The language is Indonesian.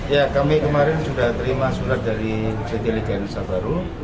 ya kami kemarin sudah terima surat dari ct liga indonesia baru